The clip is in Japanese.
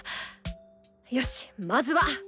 よしまずは。